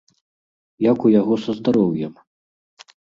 Як у яго са здароўем?